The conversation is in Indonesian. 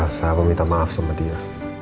mau ke tempat elsa aku minta maaf sama dia